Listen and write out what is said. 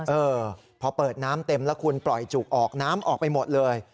เออพอเปิดน้ำเต็มแล้วคุณปล่อยจุกออกน้ำออกไปหมดเลย